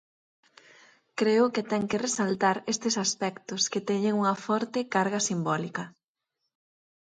Creo que ten que resaltar estes aspectos que teñen unha forte carga simbólica.